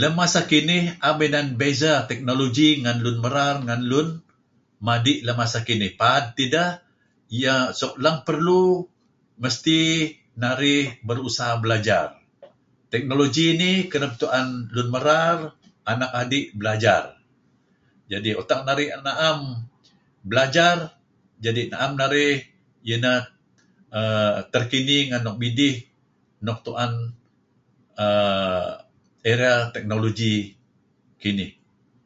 Lem masa kinih na'em inan beza teknologi ngen lun merar ngen lun madi' lem masa kinih, paad tideh. Suk leng perlu, mesti narih berusaha belajar. Teknologi inih kereb tu'en lun merar anak adi' belajar. Jadi utak narih na'em belajar, jadi na'em narih iyeh inih terkini ngen era teknologi nekinih.